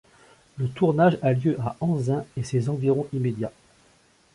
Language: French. Le tournage a lieu à Anzin et ses environs immédiats.